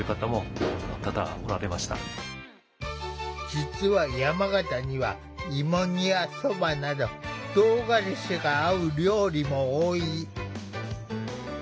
実は山形には芋煮やそばなどとうがらしが合う料理も多い。